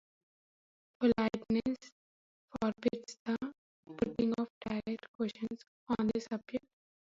Politeness forbids the putting of direct questions on this subject.